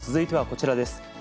続いてはこちらです。